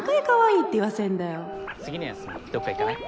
次の休みどっか行かない？